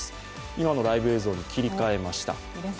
今のライブ映像に切り替えました。